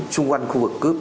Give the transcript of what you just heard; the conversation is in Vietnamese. xung quanh khu vực cướp